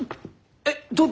えっどう？